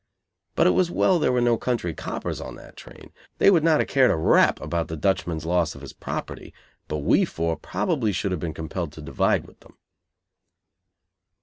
But it was well there were no country coppers on that train. They would not have cared a rap about the Dutchman's loss of his property, but we four probably should have been compelled to divide with them.